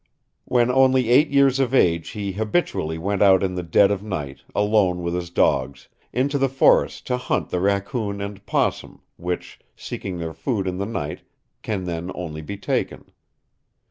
"When only eight years of age he habitually went out in the dead of night, alone with his dogs, into the forest to hunt the raccoon and opossum, which, seeking their food in the night, can then only be taken.